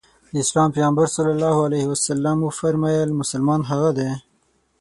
د اسلام پيغمبر ص وفرمايل مسلمان هغه دی.